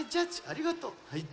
ありがとう。